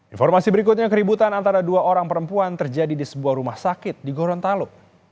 informasi berikutnya keributan antara dua orang perempuan terjadi di sebuah rumah sakit di gorontalo